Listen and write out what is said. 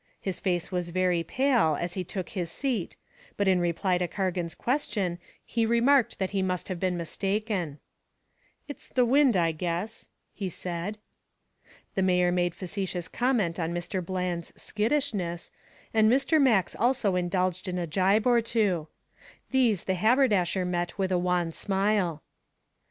His face was very pale as he took his seat, but in reply to Cargan's question he remarked that he must have been mistaken. "It was the wind, I guess," he said. The mayor made facetious comment on Mr. Bland's "skittishness", and Mr. Max also indulged in a gibe or two. These the haberdasher met with a wan smile.